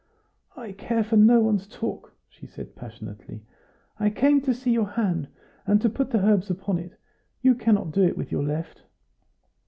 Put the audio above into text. "I care for no one's talk," she said, passionately. "I came to see your hand, and put the herbs upon it; you cannot do it with your left."